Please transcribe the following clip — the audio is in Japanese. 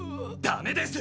ダメです。